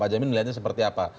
pak jamin melihatnya seperti apa